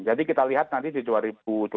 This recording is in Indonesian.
jadi kita lihat nanti di dua ribu dua puluh empat